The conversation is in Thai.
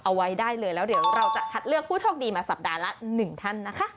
เอาไว้ได้เลยแล้วตัดเลือกผู้โชคดีมาประมาณสัปดาห์ละ๑ท่านนะคะ